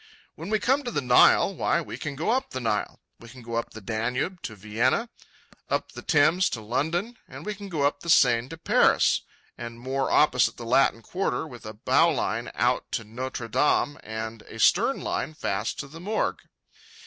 When we come to the Nile, why we can go up the Nile. We can go up the Danube to Vienna, up the Thames to London, and we can go up the Seine to Paris and moor opposite the Latin Quarter with a bow line out to Notre Dame and a stern line fast to the Morgue.